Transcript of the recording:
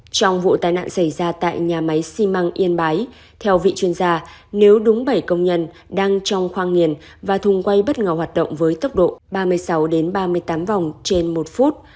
trong vụ tai nạn xảy ra tại nhà máy xi măng yên bái theo vị chuyên gia nếu đúng bảy công nhân đang trong khoang nghiền và thùng quay bất ngờ hoạt động với tốc độ ba mươi sáu ba mươi tám vòng trên một phút